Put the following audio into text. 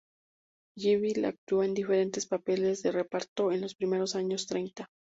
Jewell actuó en diferentes papeles de reparto en los primeros años treinta.